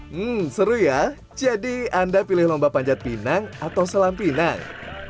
hmm seru ya jadi anda pilih lomba panjat pinang atau selam pinang